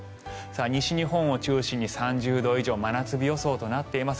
西日本を中心に３０度予想真夏日予想となっています。